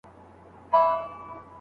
که د اتلانو کیسې وي نو روحیه لوړېږي.